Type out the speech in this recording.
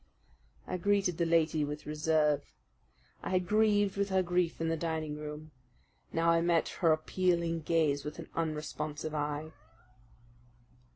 I greeted the lady with reserve. I had grieved with her grief in the dining room. Now I met her appealing gaze with an unresponsive eye.